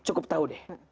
cukup tahu deh